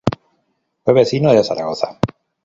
Fue vecino de Zaragoza.